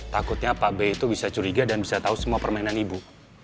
takutnya pak b itu bisa curiga dan bisa tahu semua permainan ibu